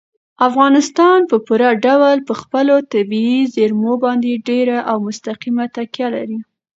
افغانستان په پوره ډول په خپلو طبیعي زیرمو باندې ډېره او مستقیمه تکیه لري.